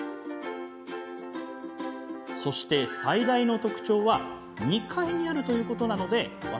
そして、最大の特徴は２階にあるということなので私